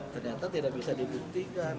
ternyata tidak bisa dibuktikan